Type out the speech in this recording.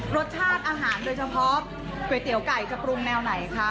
รสชาติอาหารโดยเฉพาะก๋วยเตี๋ยวไก่จะปรุงแนวไหนคะ